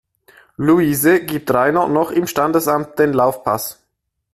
Louise gibt Rainer noch im Standesamt den Laufpass.